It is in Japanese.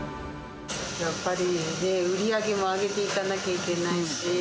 やっぱり売り上げも上げていかなきゃいけないし。